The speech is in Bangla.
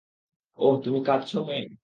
ওহ, তুমি কাঁদছ মেয়ে?